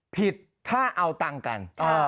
ผิดถ้าเอาตังค์กัน